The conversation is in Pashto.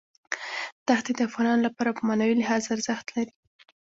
دښتې د افغانانو لپاره په معنوي لحاظ ارزښت لري.